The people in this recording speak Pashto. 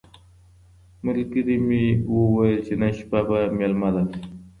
ملګري مي وویل چي نن شپه به مېلمه درسم.